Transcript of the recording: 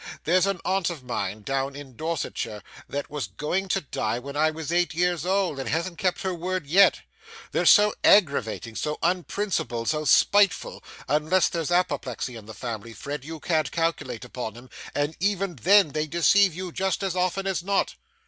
There's an aunt of mine down in Dorsetshire that was going to die when I was eight years old, and hasn't kept her word yet. They're so aggravating, so unprincipled, so spiteful unless there's apoplexy in the family, Fred, you can't calculate upon 'em, and even then they deceive you just as often as not.